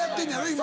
今。